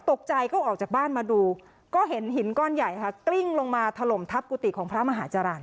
ตกใจก็ออกจากบ้านมาดูก็เห็นหินก้อนใหญ่ค่ะกลิ้งลงมาถล่มทับกุฏิของพระมหาจรรย